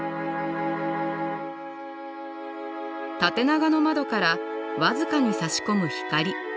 縦長の窓から僅かにさし込む光。